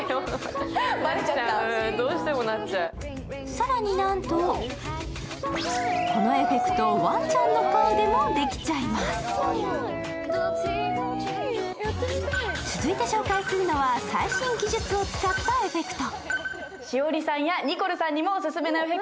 更に、なんと続いて紹介するのは最新技術を使ったエフェクト。